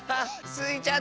スイちゃん